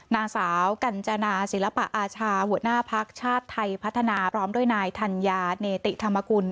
นางสาวกัญจนาศิลปะอาชาหัวหน้าภักดิ์ชาติไทยพัฒนาพร้อมด้วยนายธัญญาเนติธรรมกุล